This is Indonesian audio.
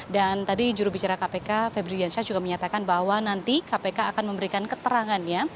dan tadi jurubicara kpk febri diansyah juga menyatakan bahwa nanti kpk akan memberikan keterangannya